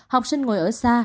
học sinh ngồi ở xa